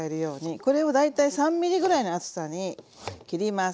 これを大体３ｍｍぐらいの厚さに切ります。